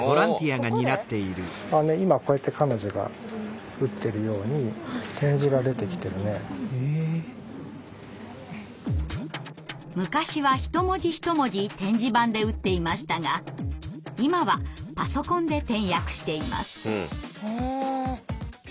今こうやって彼女が打ってるように昔は一文字一文字点字盤で打っていましたが今はパソコンで点訳しています。